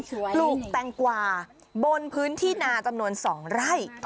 ปลูกแตงกวาบนพื้นที่นาจำนวน๒ไร่